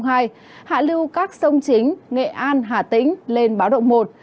hạ lưu các sông chính nghệ an hà tĩnh lên báo động một